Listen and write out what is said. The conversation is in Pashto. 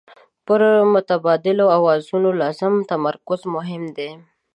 پر متبادلو اوزارو لازم تمرکز مهم دی.